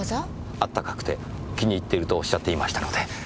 温かくて気に入ってるとおっしゃっていましたので。